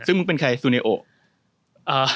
ซึ่งแบบเธอเป็นใครสูเนโอะ